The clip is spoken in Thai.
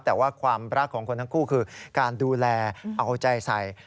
แต่ว่าความรักของคนทั้งคู่คือการดูแลเอาใจใส่